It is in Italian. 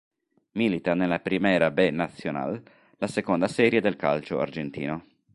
Milita nella Primera B Nacional, la seconda serie del calcio argentino.